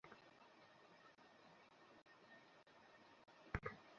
Pixie, Pixie, দেখ!